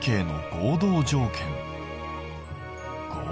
合同条件